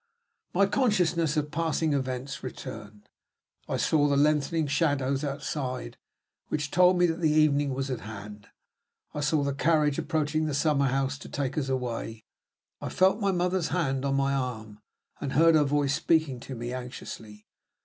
My consciousness of passing events returned. I saw the lengthening shadows outside, which told me that the evening was at hand. I saw the carriage approaching the summerhouse to take us away. I felt my mother's hand on my arm, and heard her voice speaking to me anxiously.